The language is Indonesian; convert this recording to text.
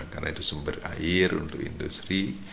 karena itu sumber air untuk industri